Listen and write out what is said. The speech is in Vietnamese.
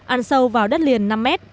ăn sâu vào đất liền năm m